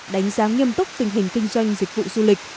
đánh giá nghiêm túc tình hình kinh doanh dịch vụ du lịch